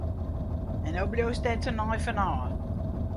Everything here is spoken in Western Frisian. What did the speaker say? En no bliuwst der tenei fan ôf!